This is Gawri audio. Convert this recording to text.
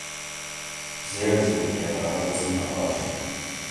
زیڑ زیڑ کۤٹارہ بسونہ آشی